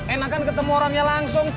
enak kan ketemu orangnya langsung jack